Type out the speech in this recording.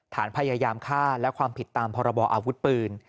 ฐานพยายามฆ่าและความผิดตามพรบออาวุธปืน